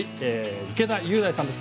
池田雄大さんです。